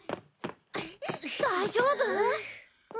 大丈夫？